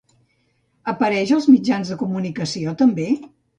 Apareix als mitjans de comunicació, també?